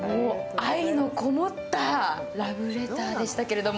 愛のこもったラブレターでしたけど。